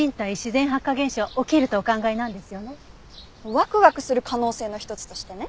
ワクワクする可能性の一つとしてね。